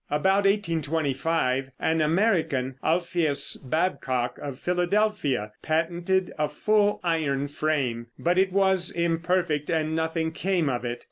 About 1825 an American, Alpheus Babcock, of Philadelphia, patented a full iron frame, but it was imperfect, and nothing came of it.